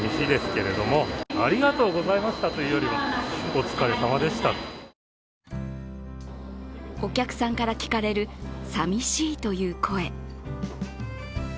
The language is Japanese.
お客さんから聞かれる、さみしいという声。